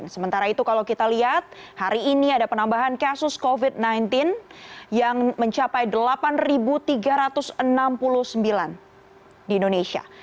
sementara itu kalau kita lihat hari ini ada penambahan kasus covid sembilan belas yang mencapai delapan tiga ratus enam puluh sembilan di indonesia